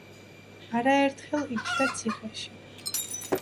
არაერთხელ იჯდა ციხეში.